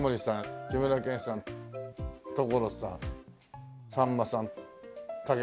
志村けんさん所さんさんまさんたけしさん。